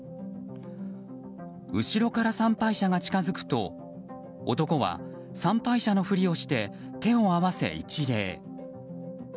後ろから参拝者が近づくと男は、参拝者のふりをして手を合わせ一礼。